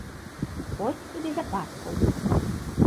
Хоць і без ападкаў.